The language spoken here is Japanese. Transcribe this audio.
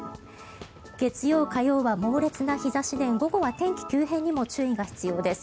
月曜、火曜は猛烈な日差しで午後は天気急変にも注意が必要です。